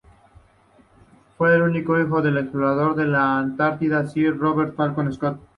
Fue el único hijo del explorador de la Antártida Sir Robert Falcon Scott.